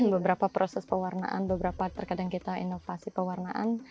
beberapa proses pewarnaan beberapa terkadang kita inovasi pewarnaan